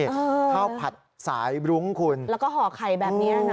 โทรไปสอบถามก็ได้หมายเลขโทรศัพท์ที่ขึ้นหนองคันทรงอำเภอเมืองจังหวัดตรานะฮะ